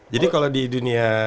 jadi kalau di dunia